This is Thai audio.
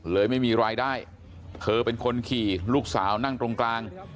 ไม่มีรายได้เธอเป็นคนขี่ลูกสาวนั่งตรงกลาง